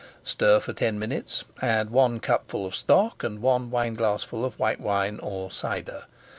Stir for ten minutes, add one cupful of stock and one wineglassful of white wine or cider.